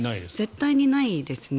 絶対にないですね。